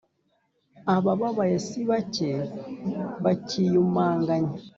abababaye si bake bakiyumanganya